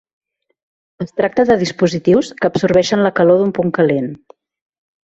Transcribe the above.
Es tracta de dispositius que absorbeixen la calor d’un punt calent.